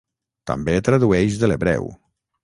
També tradueix de l'hebreu.